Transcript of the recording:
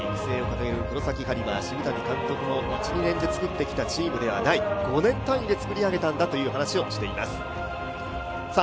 育成を掲げる黒崎播磨、澁谷監督も１、２年で作り上げたチームではない５年単位で作り上げたんだという話をしています。